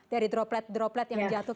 dari droplet droplet yang jatuh